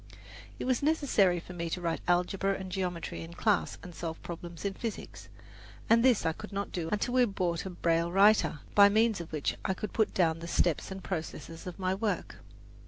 It was necessary for me to write algebra and geometry in class and solve problems in physics, and this I could not do until we bought a braille writer, by means of which I could put down the steps and processes of my work.